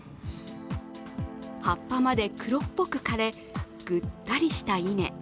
葉っぱまで黒っぽく枯れ、ぐったりした稲。